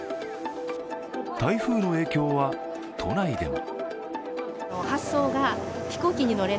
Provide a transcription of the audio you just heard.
台風の影響は都内でも。